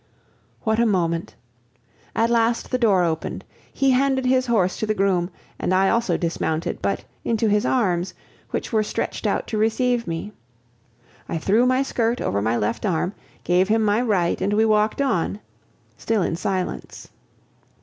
What a moment! At last the door opened; he handed his horse to the groom, and I also dismounted, but into his arms, which were stretched out to receive me. I threw my skirt over my left arm, gave him my right, and we walked on still in silence.